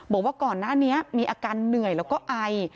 บอกว่าก่อนหน้านี้มีอาการเหนื่อยแล้วก็ไอ